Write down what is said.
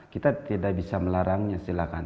kita tidak bisa melarangnya silakan